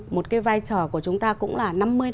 một cái vai trò của chúng ta cũng là năm mươi năm mươi